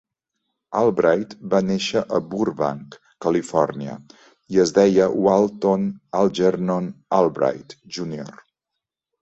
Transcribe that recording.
Albright va néixer a Burbank, Califòrnia, i es deia Walton Algernon Albright júnior.